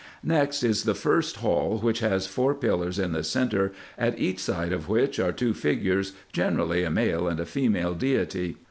Next is the first hall, which has four pillars in the centre, at each side of which are two figures, generally a male and a female deity.